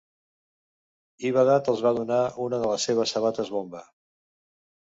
I Badat els va donar una de les seves sabates bomba.